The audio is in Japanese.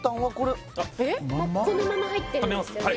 このまま入ってるんですよね